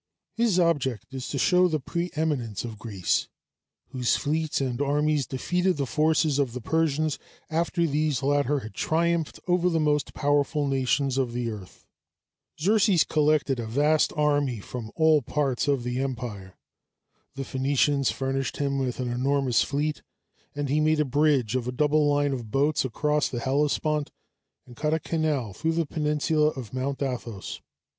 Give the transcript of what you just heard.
His object is to show the preëminence of Greece, whose fleets and armies defeated the forces of the Persians after these latter had triumphed over the most powerful nations of the earth. Xerxes collected a vast army from all parts of the empire. The Phoenicians furnished him with an enormous fleet, and he made a bridge of a double line of boats across the Hellespont and cut a canal through the peninsula of Mount Athos.